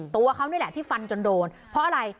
ตัวเขานี่แหละที่ฟันจนโดนเพราะอะไร